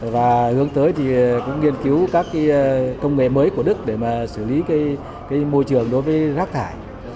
và hướng tới thì cũng nghiên cứu các công nghệ mới của đức để xử lý môi trường đối với rác thải